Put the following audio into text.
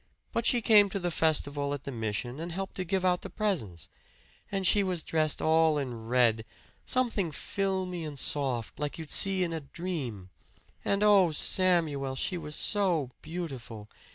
But she came to the festival at the mission and helped to give out the presents. And she was dressed all in red something filmy and soft, like you'd see in a dream. And, oh, Samuel she was so beautiful!